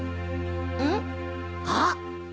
うん？あっ！